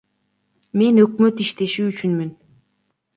Мен өкмөт иштеши үчүнмүн.